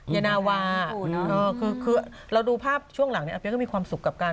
เยนาวาคือเราดูภาพช่วงหลังก็มีความสุขกับการ